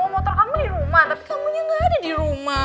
motor kamu di rumah tapi kamu nya gak ada di rumah